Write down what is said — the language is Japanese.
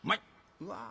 うわ。